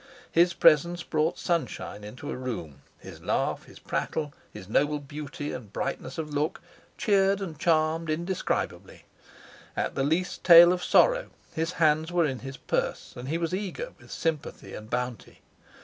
His presence brought sunshine into a room, his laugh, his prattle, his noble beauty and brightness of look cheered and charmed indescribably. At the least tale of sorrow, his hands were in his purse, and he was eager with sympathy and bounty.